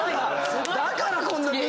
だからこんな緑の？